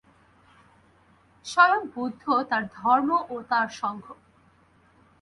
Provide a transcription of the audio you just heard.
স্বয়ং বুদ্ধ, তাঁর ধর্ম ও তাঁর সঙ্ঘ।